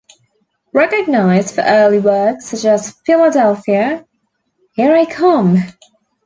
Recognised for early works such as Philadelphia, Here I Come!